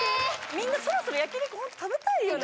みんなそろそろ焼肉ホント食べたいよね？